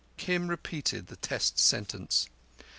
Kim repeated the test sentence.